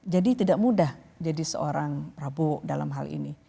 jadi tidak mudah jadi seorang prabu dalam hal ini